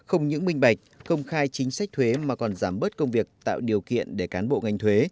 theo phương pháp quán tại địa bàn không những minh bạch công khai chính sách thuế mà còn giảm bớt công việc tạo điều kiện để cán bộ ngành thuế